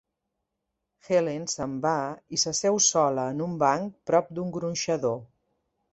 Helen se'n va i s'asseu sola en un banc prop d'un gronxador.